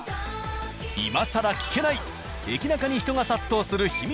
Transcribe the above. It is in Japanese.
今さら聞けないエキナカに人が殺到する秘密